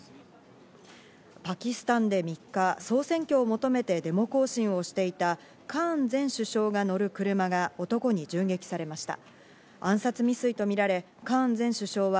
パキスタンで３日、総選挙を求めてデモ行進をしていたカーン前首相が乗る車が男に銃撃されました。